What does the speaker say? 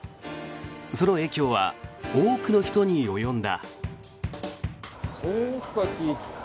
その影響は多くの人に及んだ。